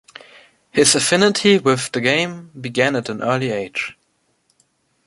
His affinity with the game began at an early age.